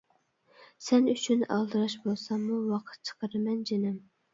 -سەن ئۈچۈن ئالدىراش بولساممۇ ۋاقىت چىقىرىمەن جېنىم.